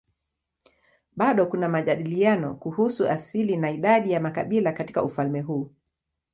Bado kuna majadiliano kuhusu asili na idadi ya makabila katika ufalme huu.